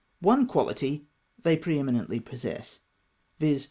One quahty they pre eminently possess, viz.